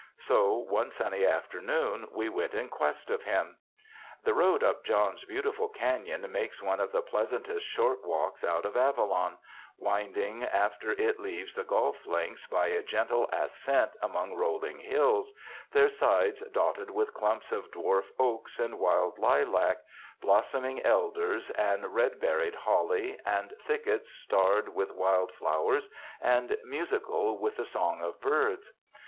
So one sunny afternoon we went in quest of him. The road up John's beautiful canon makes one of the pleasantest short walks out of Avalon, winding, after it leaves the golf links, by a gentle ascent among rolling hills, their sides dotted with clumps of dwarf oaks and wild lilac, blossoming elders and 186 WINTER ON THE TSLE OP SUMMER red berried holly and thickets starred with wild flowers and musical with the song of birds.